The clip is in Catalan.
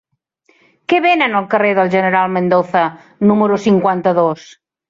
Què venen al carrer del General Mendoza número cinquanta-dos?